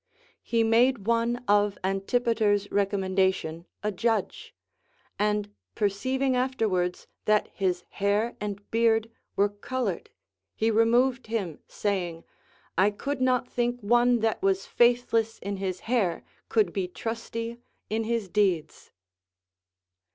He made one of Antipater's recommendation a judge ; and perceiving afterwards that his hair and beard were colored, he removed him, saying, I could not think one that was faithless in his hair could be trusty in his deeds.